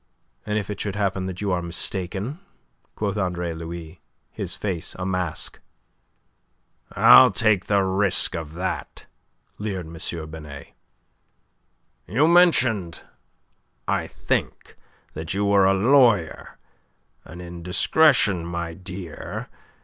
"And if it should happen that you are mistaken?" quoth Andre Louis, his face a mask. "I'll take the risk of that," leered M. Binet. "You mentioned, I think, that you were a lawyer. An indiscretion, my dear.